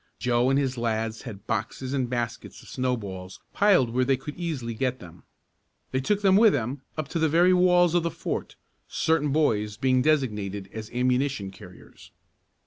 Joe and his lads had boxes and baskets of snowballs piled where they could easily get them. They took them with them, up to the very walls of the fort, certain boys being designated as ammunition carriers.